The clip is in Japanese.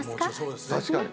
確かに。